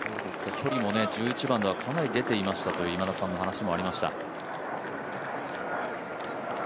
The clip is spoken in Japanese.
距離も１１番ではかなり出ていましたという今田さんの話もありました。